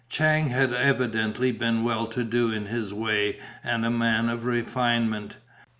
Chang had evidently been well to do in his way and a man of refinement.